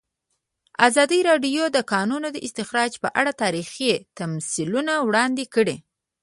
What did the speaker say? ازادي راډیو د د کانونو استخراج په اړه تاریخي تمثیلونه وړاندې کړي.